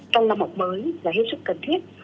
trong năm học mới là hiệu sức cần thiết